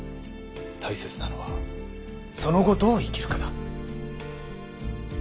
大切なのはその後どう生きるかだ。